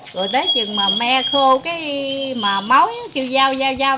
rồi tới chừng mà me khô cái mà máu kêu giao giao giao